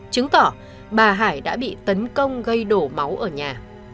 chứng tỏ bà hải đã bị tấn công gây đổ máu ở nhà